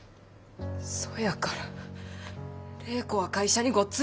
そやから礼子は会社にごっつい感謝してます。